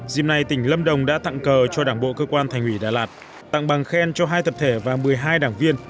dìm nay tỉnh lâm đồng đã tặng cờ cho đảng bộ cơ quan thành ủy đà lạt tặng bằng khen cho hai tập thể và một mươi hai đảng viên